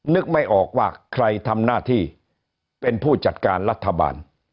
นึกไม่ออกว่าใครทำหน้าที่เป็นผู้จัดการรัฐบาล